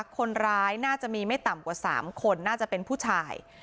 คนร้ายน่าจะมีไม่ต่ำกว่า๓คนน่าจะเป็นผู้ชาย